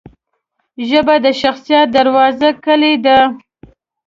ژبه د شخصیت دروازې کلۍ ده